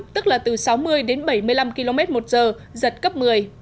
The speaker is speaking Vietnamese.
tức là từ sáu mươi đến bảy mươi năm km một giờ giật cấp một mươi